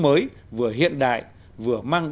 mới vừa hiện đại vừa mang